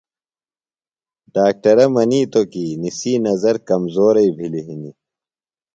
ڈاکٹرہ منیتوۡ کی نِسی نظر کمزوئی بِھلیۡ ہِنیۡ۔